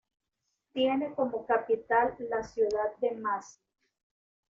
Tiene como capital la ciudad de Massy.